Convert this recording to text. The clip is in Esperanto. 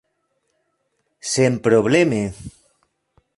senprobleme